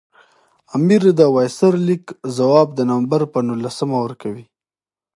امیر د وایسرا د لیک ځواب د نومبر پر نولسمه ورکړ.